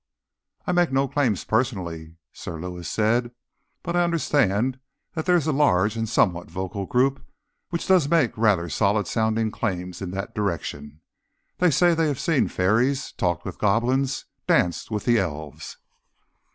"I make no claims personally," Sir Lewis said. "But I understand that there is a large and somewhat vocal group which does make rather solid sounding claims in that direction. They say that they have seen fairies, talked with goblins, danced with the elves."